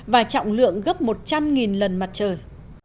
và trọng lượng gấp một trăm linh lần mặt trời